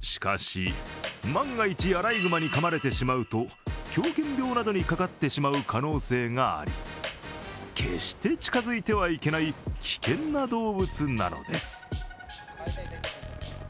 しかし、万が一アライグマにかまれてしまうと狂犬病などにかかってしまう可能性があり決して近づいてはいけない危険な動物なのです。